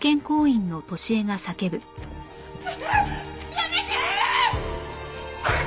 やめて！